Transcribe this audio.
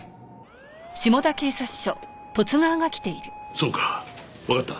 そうかわかった。